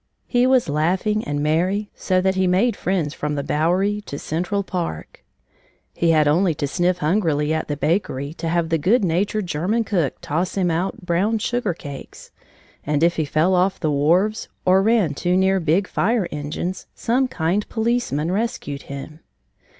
He was laughing and merry, so that he made friends from the Bowery to Central Park. He had only to sniff hungrily at the bakery to have the good natured German cook toss him out brown sugar cakes, and if he fell off the wharves, or ran too near big fire engines, some kind policeman rescued him.